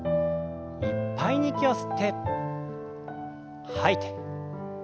いっぱいに息を吸って吐いて。